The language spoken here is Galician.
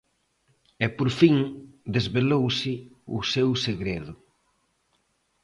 E por fin desvelouse o seu segredo.